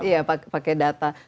iya pakai data